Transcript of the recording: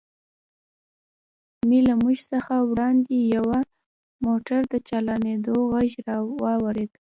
مې له موږ څخه وړاندې د یوه موټر د چالانېدو غږ واورېد.